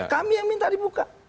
kami yang minta dibuka